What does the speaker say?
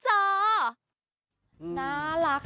อ่านน้ำเร็ว